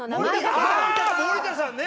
あ森田さんね！